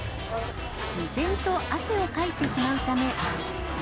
自然と汗をかいてしまうため。